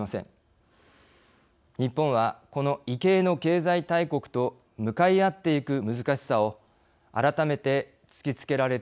日本はこの異形の経済大国と向かい合ってゆく難しさを改めて突きつけられているように思います。